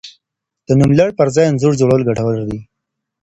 د نوملړ پر ځای انځور جوړول ګټور دي.